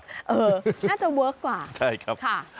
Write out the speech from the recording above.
น่าจะเวิร์คกว่าใช่ครับค่ะ